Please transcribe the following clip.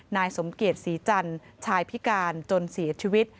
นายสมเกียจศรีจันทร์ชายพิการจนเสียชีวิต